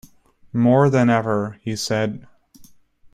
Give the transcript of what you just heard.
"More than ever," he said.